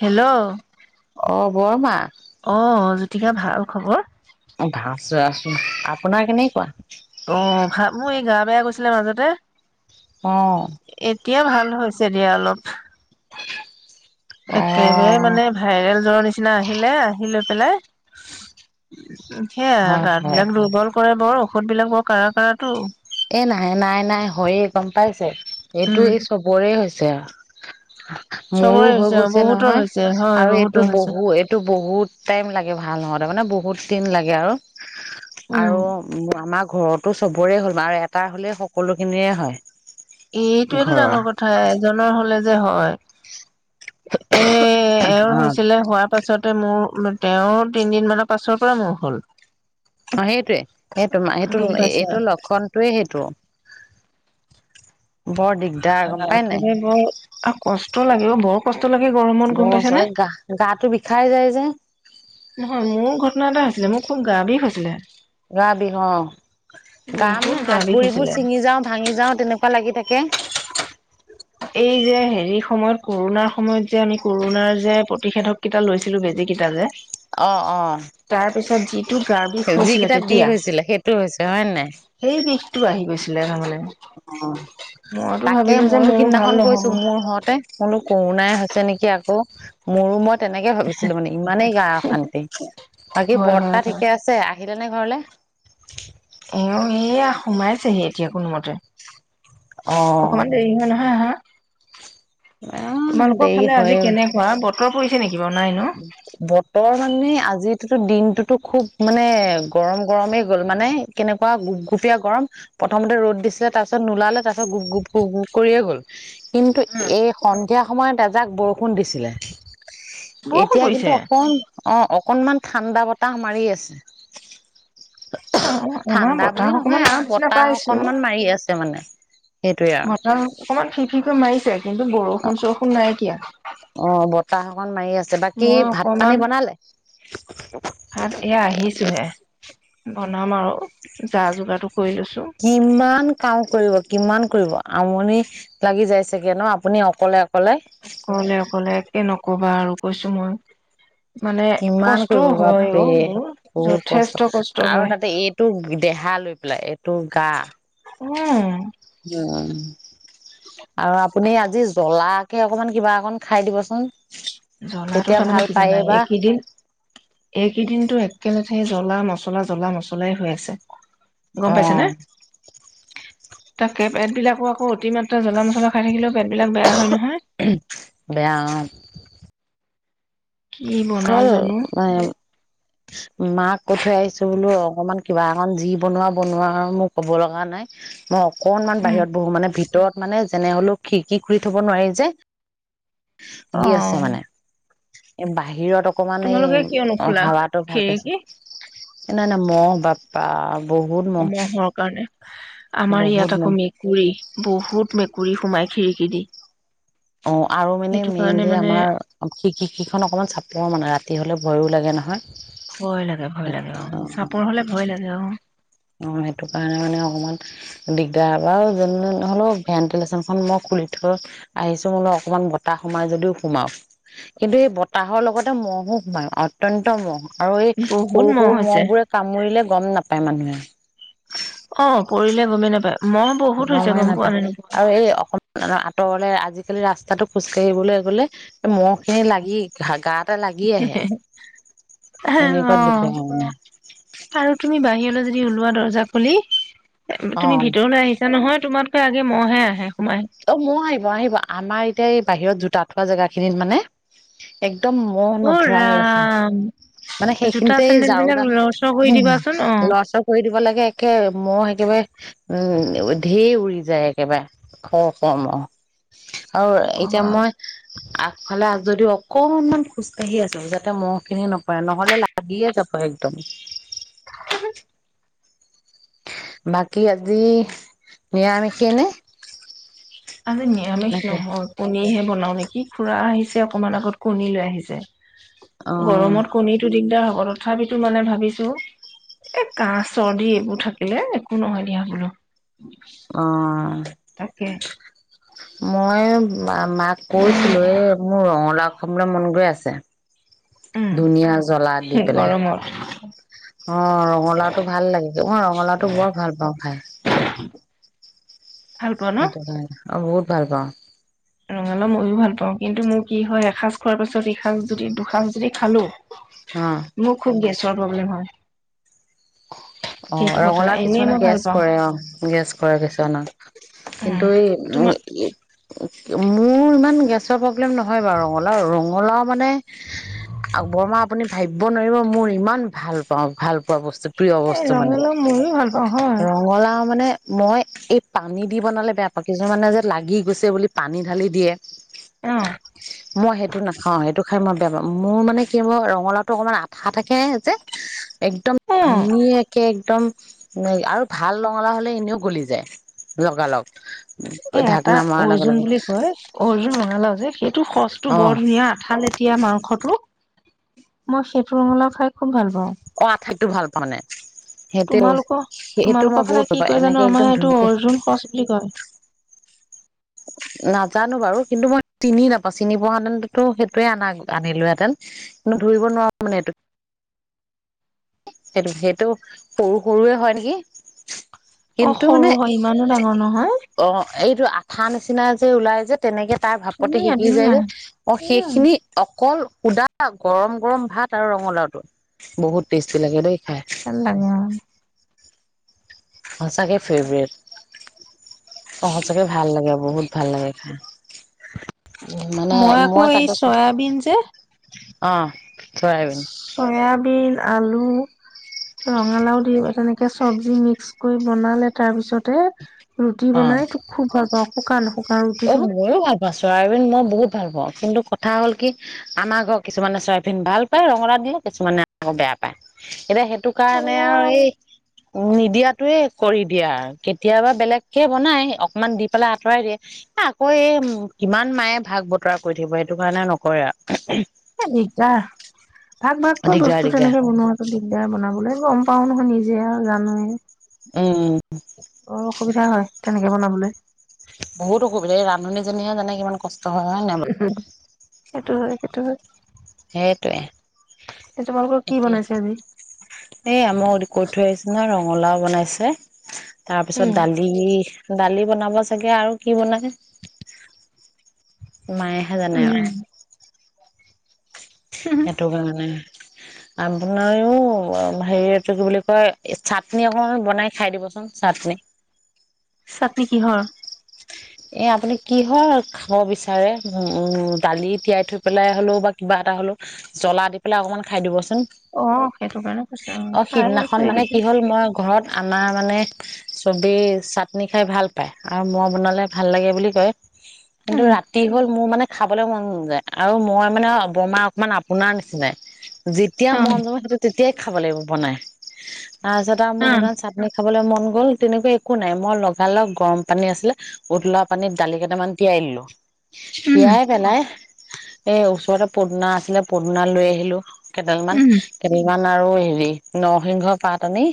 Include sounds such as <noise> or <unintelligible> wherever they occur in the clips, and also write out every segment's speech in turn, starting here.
Hello. অহ, বৰমা। অহ, জ্যোতিকা ভাল খবৰ? <unintelligible> আছোঁ, আপোনাৰ কেনেকুৱা? অহ, ভা, মোৰ এই গা বেয়া গৈছিলে মাজতে। অ এতিয়া ভাল। হৈছে দিয়া অলপ। অ একেবাৰে মানে ভাইৰেল জ্বৰ নিচিনা। নিচিনা আহিলে, আহি লৈ পেলাই সেইয়াই হয় গা হয় বিলাক দুৰ্বল কৰে বৰু। ঔষধ বিলাক বৰ কাৰা কাৰাটো। এ নাহাই নাই নাই হয়ে গম পাইছে, এইটো উম এই সবৰে হৈছে। যে মোৰো চবৰে হৈ হৈছে অ গৈছে বহুতৰ নহয় হৈছে হয় আৰু এইটো বহুতৰ হৈছে বহু, এইটো বহুত টাইম লাগে ভাল হওঁতে, মানে বহুত। দিন লাগে আৰু। উম আৰু আমাৰ ঘৰতো সবৰে হ' তমাৰ এটা হ'লেই সকলোখিনিয়ে হয়। এইটোয়েটো ঘৰৰ ডাঙৰ কথা, এজনৰ হ'লে যে হয়। এহ, এওঁৰ অ হৈছিলে, হোৱাৰ পাছত তে মোৰ, তেওঁৰ তিনদিন মানৰ পাছৰ পৰা মোৰ হ'ল। অহ সেইটোৱে। সেইটো, সেইটো গম পাইছা এইটো লক্ষণটোয়ে সেইটো। বৰ দিগদাৰ গম অহ পাই নাই একেবাৰে বৰ কষ্ট লাগে। অ বৰ কষ্ট। <unintelligible> গৰমত গম পাইছে নে? বছৰে গা গাটো বিষাই যায় যে নহয় মোৰ ঘটনা এটা আছে। আছিলে, মোৰ খুব গা বিষ হৈছিলে। গা বিহ, অহ। গা মানে বহুত হাত বিষ ভৰিবোৰ হৈছিলে ছিঙি যাও ভাঙি যাও তেনেকুৱা লাগি থাকে। কে এই যে হেৰি সময়ত কৰণাৰ সময়ত যে আমি কৰণাৰ যে প্ৰতিষেধক কেইটা লৈছিলোঁ, বেজী কেইটা যে অহ, অহ। তাৰ পিছত যিটো গা বিষ হৈছিলে যিকেইটা বিষ তেতিয়া হৈছিলে সেইটো হৈছে হয় নাই? সেই বিষটো <unintelligible> অ মইতো তাকে ভাবিলো যে ময়ো মোৰ সিদিনা ভাল নহব কৰিছো মোৰ সতে কৰোণাই হৈছে নেকি আকৌ মোৰমত তেনেকে ভাবিছিলো মানে ইমানেই গা অশান্তি বাকী হয় হয় বৰ্তা হয় ঠিকে আছে আহিলেনে ঘৰলৈ এ সিয়া সোমাইছেহি এতিয়া কোনোমতে অ অকমান দেৰি হয় নহয় অহা অ তোমালোকৰ দেৰি ফালে আজি হয় কেনেকুৱা বতৰ পৰি বতৰ মানে আজি দিনটোতো খুব মানে গৰম গৰমেই গ'ল মানে কেনেকুৱা গুপ গুপীয়া গৰম প্ৰথমতে ৰ'দ দিছিলে তাৰ পিছত নোলালে তাৰ পিছত গুপ গুপ গুপ গুপ কৰিয়ে গ'ল কিন্তু এই স সেইয়া সময়ত এজাক বৰষুণ দিছিলে বৰষুণ এতিয়া পৰিছে? কিন্তু অকন অহ, অক্ অকণমান ঠাণ্ডা বতাহ মাৰি আছে অ', অ', আমাৰ ঠাণ্ডা বুলি বতাহ অকমান নহয় আৰু মাৰা নিচিনা বতাহ অকনমান মাৰি আছে মানে সেইটোয়ে আৰু মটৰ অকমান ফি ফি ফ মাৰিছে কিন্তু বৰষুণ চৰষুণ নাইকিয়া অ বৰ কাঁক মাৰি আ বাকী মই অকমান ভাত-পানী বনালে? ভাত এয়া আহিছোহে বনাম আৰু যা যোগাৰটো কৰি লৈছো কিমান কাম কৰিব কিমান কৰিব আমনি লাগি যায় চাগে ন আপুনি অকলে অকলে অকলে অকলে একে নক ক'বা আৰু কৈছো মই মানে কিমান কষ্টও কৰিব পা হয় প্ৰে অ' মোৰ বহুত যথেষ্ট কষ্ট আৰু হয়। তাতে এইটো দেহা লৈ পেলাই এইটো গা উম, উ আৰু আপুনি আজি জ্বলাাকে অকমান কিবা অকন খাই দিব জ্বলাটো তেতিয়া তাৰমানে ভাল পায় বা এইকেইদিনতো একেলেথে জ্বলা মছলা জ্বলা মছলাই হৈ আছে গম পাইছা নে? অহ তাকে এটবিলাকো আকৌ অতিমাত্ৰা জ্বলা মছলা খাই থাকিলেও পেটবিলাক বেয়া হয় নহয় বেয়া অ কি বনাও জানো <unintelligible> মাক কৈ থৈ আহিছো বোলো অকণমান কিবা একণ যি বনোৱা বনোৱা মোৰ কব লগা নাই মই অকনমান উম। বাহিৰত বহো মানে ভিতৰত মানে যেনে হলেও খিৰিকি খুৰি থব নোৱাৰি যে দি আছে অ'। মানে বাহিৰত অকমান এই তোমালোকে কিয় অ নোখোলা হাৱাটো ভাল পাইছো খিৰিকী এনে ন ম বাপা বহুত মহ মহৰ কাৰণে আমাৰ বহুত ইয়াত আকৌ মহ মেকুৰী বহুত মেকুৰী গুৰি সোমাই খিৰিকী দি অ আৰু মানে সেইটো কাৰণে মেইনলি মানে আমাৰ শিখন অকমান চাপৰ মানে ৰাতি হলে ভয়ো লাগে নহয় ভয় লাগে ভয় লাগে অ চাপোৰ হলে ভয় লাগে আহ অ সেইটো কাৰণে মানে অকমান দিগদাৰ বাৰু যে নহলেও ভেণ্টিলেশ্যনখন মই খুলি থৈ আহিছো মোল অকনমান বতাহ সোমাই যদিও সোমাও কিন্তু এই বতাহৰ লগতে মহো সোমাইও অত্্যন্ত মহ আৰু এই বহুত সৰু সৰু মহ হৈছে বোৰে কামুৰিলে গম নাপায় পায় মানুহে <unintelligible> অ পৰিলে গমেই নাপায় মহ বহুত হৈছে গময়ে গম পোৱা নাপায় নে নোপোৱা। আৰু এই অকমান আঁতৰলে আজি আজিকালি ৰাস্তাতটো খোজকাাঢ়িবলৈ গলে মহ' খিনি লাগি গাত <unintelligible> অ তেনেকুৱা বেয়া মানে আৰু তুমি বাহিৰলৈ য ওলোৱা দৰ্জা খোলি অ তুমি ভিতৰলৈ আহিছা নহয় তোমাতকৈ আগে মহহে আহে সোমাই। অ মোৰ আহিব আহিব আমাৰ এতিয়া এই বাহিৰত জোতা থোৱা জেগা খিনিত মানে এক একদম মহ অ' নধৰা হৈ আছে ৰাম মানে জোতা সেইখিনিতে চেন্দেল বিলাক ঝাৰুদা লৰচৰ কৰি দিবাচোন অ'। লৰাচৰ কৰি দিব লাগে একে মহ একেবাৰে উম ধেই উৰি যায় একেবাৰে খোৱা কম আৰু আৰু এতিয়া নকবা মই হ'লে আ যদিও অকনমান খোজকাঢ়ি আছো যাতে মহ খিনি নপৰে নহলে লাগিয়ে যাব একদম <unintelligible> বাকী আজি নিৰামিষেনেে <inaudible> আজি নিৰামিষ নহয় কনীহে বন নমিকি খুৰা আহিছে। অকণমান আগত কণী লৈ আহিছে। যে অ গৰমত কণীতটো দিগদাৰ হ অ, তথাপিতো মানে ভাবিছোঁ এ কাহ চৰ্দি এইবোৰ থাকিলে একো নহয় দিয়া বোলো। অহ। তাকে মই মা-মাক কৈছিলোঁ এই মোৰ ৰঙালাও খাবলৈ মন গৈ আছে। উম, ধুনীয়া জলা দি পেলাই। গৰমত অহ, ৰঙালাওটো ভাল লাগে, অহ। ৰঙালাওটো বৰ ভাল পাওঁ খাই। ভাল পোৱা ন? সেইটো কাৰ অহ বহুত ভাল পাওঁ। ৰঙালাও মইয়ও ভাল পাওঁ কিন্তু মোৰ কি হয় এসাঁজ খোৱাৰ পিছত এসাঁজ যদি দুসাঁজ যদি খালোঁ মোৰ খুব গেছ চৰ প্ৰব্লেম হয়। অহ, সেইটো কথা ৰঙালাও এনেই কিছুমানে মই ভাল গেছ পাওঁ কৰে, অহ। গেছ কৰে কিছুমানক, কিন্তু উম, এই তোমাৰ <unintelligible> মোৰ ইমান গেছৰ প্ৰব্লেম নহয় বাৰু। ৰঙালাও ৰঙালাও মানে বৰমা আপুনি ভাবিব নোৱাৰিব মোৰ ইমান ভাল পাওঁ, ভাল। পোৱা বস্তু প্ৰিয় বচ ৰঙালও ময়ো ভাল পাওঁ, হয়। মানে মই এই পানী দি বনালে বেয়া পাওঁ। কিছুমানে যে লাগি গৈছে বুলি পানী ঢালি দিয়ে। অহ। মই সেইটো নাখাওঁ, সেইটো খাই মই বেয়া পাওঁ। মোৰ মানে কি হ ৰঙালাওটো অকমান আঠা থাকে সেয়া যে একদম অ', ধুনীয়া এ একদম, হেই, আৰু ভাল ৰঙালাও হ'লে এনেও গলি যায়, লগালগ। এ এটা ঢাকনা মৰাৰ লগে অৰ্জুন লগে বুলি কয়, অৰ্জুন ৰঙালাও যে সেই সচটো অ বৰ ধুনীয়া, আঠা লেটিয়া মাংসটো মই সেইটো ৰঙলাও খাই খুব ভাল প অহ, আঠাইতো ভাল পাওঁ নে মই তোমালোকৰ-তোমালোকৰ ফালে বহুত ভাল কি পাওঁ কয় জানো? এনেকে আমাৰ একদম এইটো ধুনীয়াকে অৰ্জুন শচ বুলি কয়। নাজানো বাৰু কিন্তু মই তিনি নাপাওঁ, চিনি পোৱাাহেঁতেনোটো সেইটোৱে আনা আনিলোহেঁতেন কিন্তু ধৰিব নোৱাৰোঁ, মানে সেটো সেইটো সৰু সৰুৱে হয় নেকি? অহ, কিন্তু সৰু মানে হয় ইমানো ডাঙৰ নহয়। ঠা নিচিনা যে ওলাই যে। তেনেকে তাৰ ভাপতে ধুনীয়া শিকি যায় ধুনীয়া যে, অ', উম সেইখিনি অকল সুদা গৰম গৰম ভাত আৰু ৰঙালাওটো, বহুত টেষ্টি লাগে দেই। খাই এলাগা সঁচাকে ফেভৰেট, সঁচাকে ভাল লাগে বহুত ভাল লাগে খাই। উ মানে আকৌ মই এই তাকে চয়াবিন যে অহ। চয়াবিন আলু, ৰঙালাও দি তেনেকে চব্জি মিক্স কৰি বনালে তাৰপিছত ৰুটি অ বনাই তোক খুব ভাল পাওঁ শুকান অ', ৰুটিটো ময়ো ভাল পাওঁ চয়াবিন মই বহুত ভাল পাওঁ কিন্তু কথা হ'ল কি আমাৰ ঘৰত কিছুমানে চয়াবিন ভাল পায় ৰঙালাও দিলে কিছুমানে আকৌ বেয়া পায় এতিয়া সেই টো কাৰণে আৰু এই নিদিয়া টোয়ে কৰি দিয়া আৰু কেতিয়াবা বেলেগকে বনাই অকমান দি পেলাই আঁতৰাই দিয়ে। আকৌ এই কিমান মায়ে ভাগ বতৰা কৰি থাকিব সেইটো কাৰণে নকৰে আৰু এই দিগদাৰ। ভাগ আৰু ভাগকৈ দিগদাৰ বস্তু দিগদাৰ তেনেকে বনোৱাটো দিগদাৰ বনাবলৈ গম পাওঁ নহয় নিজে আৰু জানো। উম বৰ অসুবিধা হয় তেনেকে বনাবলৈ বহুত অসুবিধা এই ৰান্ধনীজনীয়েহে জানে কিমান কষ্ট হয় হয় নাই বাৰু উম, সেইটো হয়। সেইটো হয়। সেইটোৱয়ে এ তোমালোকৰ কি বনাইছে আজি এই আ মই কৈ থৈ আহিছে ন ৰ লাও বনাইছে। তাৰ পিছত উম দালি দালি বনাব চাগে আৰু কি বনাই। মায়েহে জানে আৰু। উম সেইটো কাৰণে আপোনাৰও হেৰিটো কি বুলি কয় চাটনি অকণমান বনাই খাই দিবচোন চাটনি চাটনি কিহৰ এ আপুনি কি হৰ খাব বিচাৰে উমম দালি তিয়াই থৈ পেলাই হলেও বা কিবা এটা হলেও জ্বলা দি পেলাই অকনমান খাই দিবচো ন' অ সেইটো কাৰণে কৈছো অ খাই আছো সিদিনাখন মানে কি এইকেইদিন হ'ল মই ঘৰত আমাৰ মানে চবেই চাটনি খাই ভাল পায় আৰু মই বনালে ভাল লাগে বুলি কয়। কিন্তু উম ৰাতি হ'ল মোৰ মানে খাবলৈ মন <unintelligible> আৰু মই মানে বৰমা অকণমান আপোনাৰ নাই যেতিয়া অ মন যম তেয়া তেতিয়াই খাব লাগিব বনাই। তাৰপিছত আৰু মোৰ অ সেইদিনা চাটনি খাবলৈ ম গ'ল তেনেকুৱা একো নাই মই লগা লগ গৰম পানী আছিলে উতলোৱা পানীত দালি কেইটামান তিয়াই দিলোঁ। উম তিয়াই পেলাই এ ওচৰতে পদিনা আছিলে, পদিনা লৈ আহিলো। কেদেলমানমান উম কেদেলমান আৰু হেৰি নৰসিংহ পাত আনি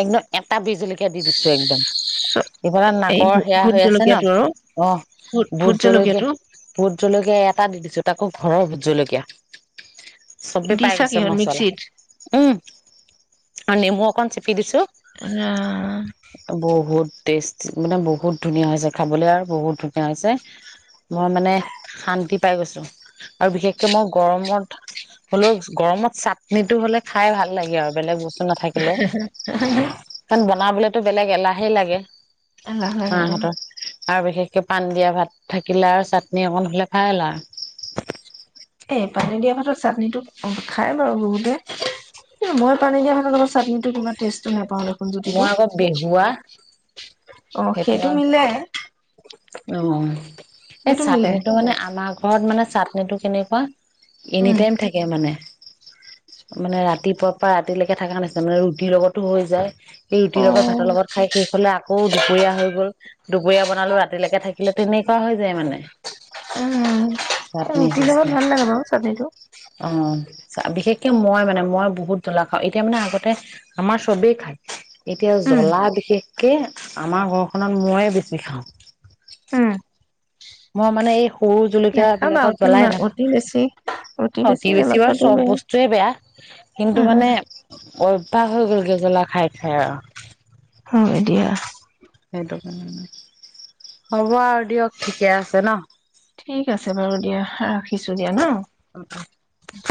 একদম টা বি জলকীয়া দি দিছো একদম চ ইফালে, এই নাকৰ সেয়া ভোট হৈ আছে। ন' জলকীয়াটো আৰু ভোট জলকীয়া, ভোট জল জলকীয়া এটা দি দিছো তাকো ঘৰৰ জলকীয়া। চবেই পাই দিছা গৈছে কিহত মচলা, মিক্সিত উম। আৰু নেমু অকন চেপি দিছো। অহ। টেষ্ট মানে বহুত ধুনীয়া হৈ হৈছে। খাবলে আৰু বহুত ধুনীয়া হৈছে মই মানে শান্তি পাই গৈছো আৰু বিশেষকে মই গৰমত হ'লেও গৰমত চাটনিটো হ'লে খাই ভাল লাগে আৰু বেলেগ বস্তু নাথাকিলেও বনাবলেতো বেলেগ এলাহেই লাগে। আল লাগে মাহঁতৰ আৰু বিশেষকে পণ দিয়া ভাত থাকিলে আৰু চাটনি অকণ হ'লে খাই লা এই পানী দিয়া ভাতত চাটনি টো খাই বাৰু বহুতে মই পানী দিয়া ভাতত অলপ চাটনিটো কিবমা টেষ্টটো নাই। ভাল ৰখোন যদিটো মই আকৌ বেহুৱা অ', সেইটো মিলাই অ'। এই চাটনিটো মানে আমাৰ ঘৰত ঘৰত মানে চাটনিটো কেনেকুৱা উম এনিটাইম থাকে মানে। মানে ৰাতিপুৱাৰ পৰা ৰাতিলৈকে থকা নিচিনা মানে ৰুটিৰ লগতো হৈ যায়। সেই অ ৰুটিৰ লগত ভাতৰ লগত খাই শেষ হ'লে আকৌ দুপৰীয়া হৈ গ'ল। কুবুৰীয়া বনালো ৰাতিলৈকে থাকিলে তেনেকুৱা হৈ যায় মানে। উম, চাটনি ৰুটি চিচনা লবত ভাল লাগে বাৰু চাটনিটো বিশেষকে মই মানে মই বহুত জ্বলা খাওঁ এতিয়া মানে আগতে আমাৰ চবেই খায় এতিয়া উম জ্বলা বিশেষকে আমাৰ ঘৰখনত মই শিখাওঁ উম মই মানে এই সৰু জলকীয়া নাখাবা বিলাকত অতি জ্বলাই অতি বেছি নাাপাওঁ অতি বেছি বাৰু চব বস্তুৱে বেয়া কিন্তু উম উম মানে <unintelligible> হৈ গ'ল গে জ্বলা খাই খাই আৰু। অ', এতিয়া। <unintelligible> হ'ব আৰু দিয়ক ঠিকে আছে ন। ঠিক আছে বাৰু দিয়া হা কিছু দিয়া ন